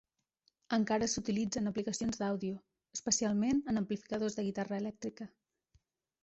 Encara s'utilitza en aplicacions d'àudio, especialment en amplificadors de guitarra elèctrica.